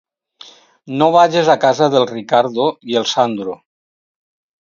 No vages a casa del Riccardo i el Sandro...